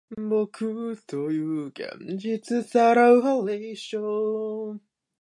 日本・永瀬貴規の準決勝が始まりました。